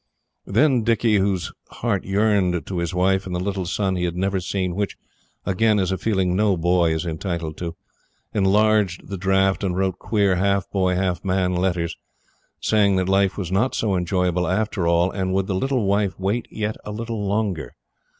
Then Dicky, whose heart yearned to his wife and the little son he had never seen which, again, is a feeling no boy is entitled to enlarged the draft and wrote queer half boy, half man letters, saying that life was not so enjoyable after all and would the little wife wait yet a little longer?